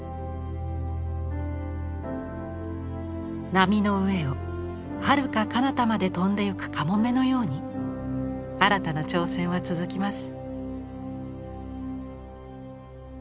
波の上をはるかかなたまで飛んでゆくカモメのように新たな挑戦は続きます。